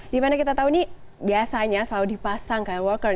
dimana kita tahu ini biasanya selalu dipasang kyle walker